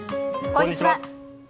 こんにちは。